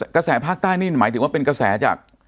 กระแสภาคใต้นี่หมายถึงว่าเป็นกระแสจาก